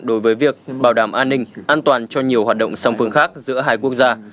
đối với việc bảo đảm an ninh an toàn cho nhiều hoạt động song phương khác giữa hai quốc gia